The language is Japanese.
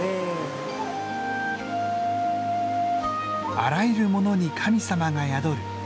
「あらゆるものに神様が宿る」。